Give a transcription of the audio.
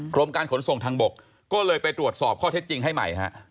กรมการขนส่งทางบกก็เลยไปตรวจสอบข้อเท็จจริงให้ใหม่ฮะ